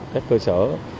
các cơ sở